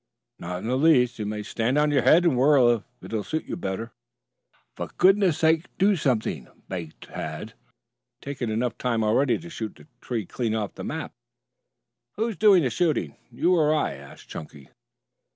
"Not in the least. You may stand on your head and whirl if it will suit you better." "For goodness' sake, do something," begged Tad. "You've taken enough time already to shoot the tree clean off the map." "Who's doing this shooting, you or I?" asked Chunky.